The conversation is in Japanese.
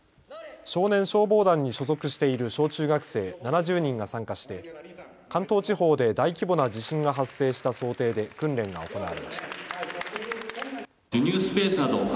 少年消防団に所属している小中学生７０人が参加して、関東地方で大規模な地震が発生した想定で訓練が行われました。